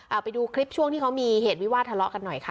เอาไปดูคลิปช่วงที่เขามีเหตุวิวาดทะเลาะกันหน่อยค่ะ